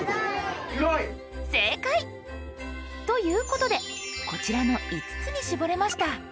正解！ということでこちらの５つに絞れました。